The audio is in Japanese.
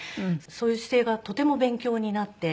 そういう姿勢がとても勉強になって。